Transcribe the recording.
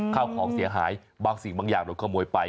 ข้าวของเสียหายบางสิ่งบางอย่างโดนขโมยไป